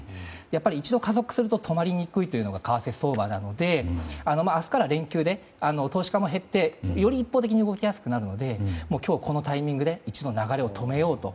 やっぱり一度加速すると止まりにくいのが為替相場なので明日から連休で、投資家も減ってより、一方的に動きやすくなるので今日、このタイミングで一度流れを止めようと。